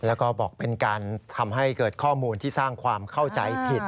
แล้วก็บอกเป็นการทำให้เกิดข้อมูลที่สร้างความเข้าใจผิด